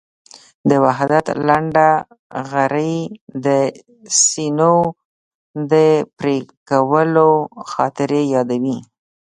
د وحدت لنډهغري د سینو د پرېکولو خاطرې یادوي.